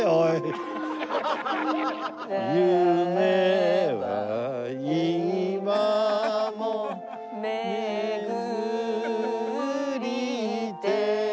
「夢は今もめぐりて」